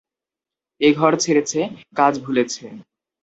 এ ঘর ছেড়েছে, কাজ ভুলেছে।